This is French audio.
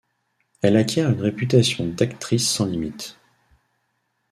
Elle acquiert une réputation d'actrice sans limite.